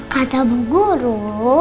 kata bu guru